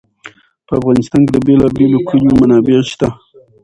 په افغانستان کې د بېلابېلو کلیو منابع شته.